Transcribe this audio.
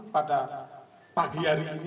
pada pagi hari ini